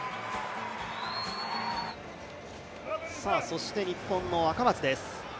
そして日本の赤松です。